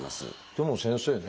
でも先生ね